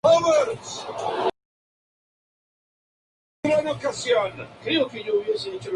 La sorpresa produjo una verdadera parálisis en todo el comando boliviano.